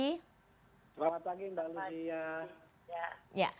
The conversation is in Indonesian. selamat pagi mbak luwia